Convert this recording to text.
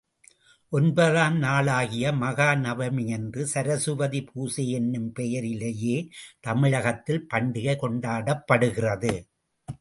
ஒன்பதாம் நாளாகிய மகாநவமியன்று சரசுவதி பூசை என்னும் பெயரிலேயே தமிழகத்தில் பண்டிகை கொண்டாடப்படுகிறது.